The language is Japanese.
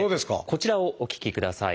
こちらをお聞きください。